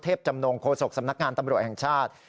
จำนงโฆษกสำนักงานตำรวจแห่งชาติ